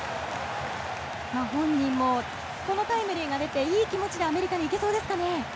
本人もこのタイムリーが出ていい気持ちでアメリカに行けそうですかね。